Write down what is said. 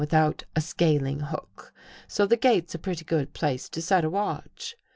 ■ without a scaling hook, so the gate's a pretty good place to set a watch.